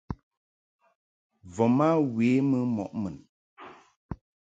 Voma we mɨ mɔʼ mun.